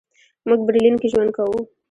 موږ برلین کې ژوند کوو.